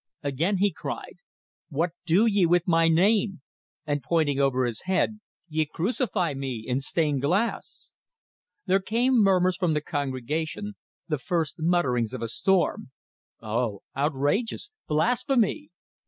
Again he cried: "What do ye with my Name?" And pointing over his head: "Ye crucify me in stained glass!" There came murmurs from the congregation, the first mutterings of a storm. "Oh! Outrageous! Blasphemy!"